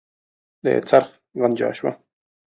د څرخ غنجا شوه.